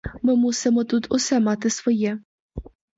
Ми мусимо тут усе мати своє.